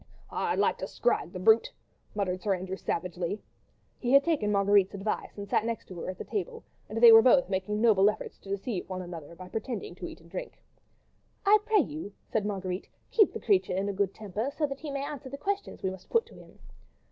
"I'd like to scrag the brute!" muttered Sir Andrew, savagely. He had taken Marguerite's advice and sat next to her at table, and they were both making noble efforts to deceive one another, by pretending to eat and drink. "I pray you," said Marguerite, "keep the creature in a good temper, so that he may answer the questions we must put to him."